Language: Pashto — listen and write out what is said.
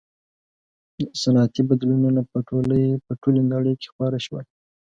• صنعتي بدلونونه په ټولې نړۍ کې خپاره شول.